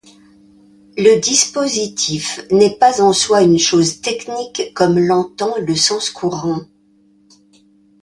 Le Dispositif n'est pas en soi une chose technique comme l'entend le sens courant.